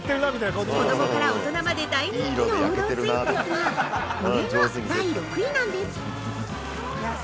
子供から大人まで大人気の王道スイーツですが、これが第６位なんです。